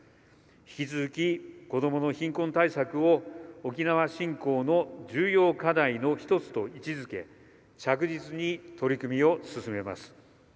引き続き、子どもの貧困対策を沖縄振興の重要課題の１つと位置づけ着実に取り組みを進めます。